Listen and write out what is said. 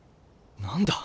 何だ？